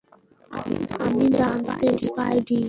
আমি দান্তে স্পাইভি।